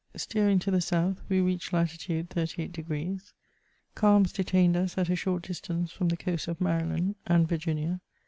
Steering to the south we reached latitude 38 deg. Calms detained us at a short distance from the coasts of Maryland and Virginia.